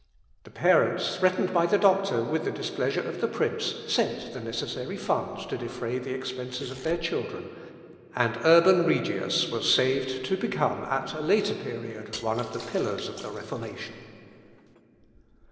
The parents, threatened by the Doctor with the displeasure of the prince, sent the necessary funds to defray the expences of their children, and Urban Regius was saved to become at a later period one of the pillars of the Reformation.